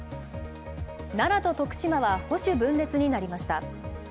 奈良と徳島は保守分裂になりました。